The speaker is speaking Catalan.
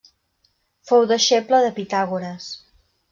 Fou deixeble de Pitàgores.